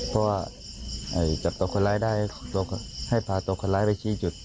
เพราะว่าจับตัวคนร้ายได้ตัวให้พาตัวคนร้ายไปชี้จุด